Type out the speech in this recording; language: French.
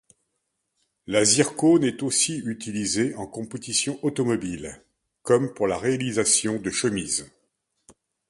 La zircone est aussi utilisée en compétition automobile, comme pour la réalisation de chemises.